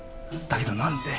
だけど何で？